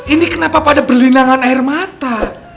ini kenapa pada perlinangan air mata